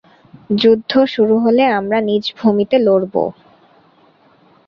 যুদ্ধ শুরু হলে আমরা নিজ ভূমিতে লড়ব।